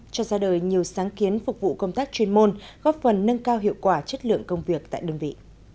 cho ra đời nhiều sáng kiến phục vụ công tác chuyên môn góp phần nâng cao hiệu quả chất lượng công việc tại đơn vị